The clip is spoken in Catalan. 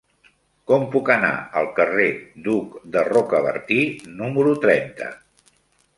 Com puc anar al carrer d'Hug de Rocabertí número trenta?